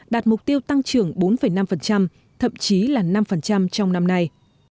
đạt mục tiêu tăng trưởng bốn năm thậm chí là năm trong năm nay